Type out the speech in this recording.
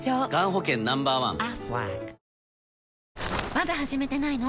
まだ始めてないの？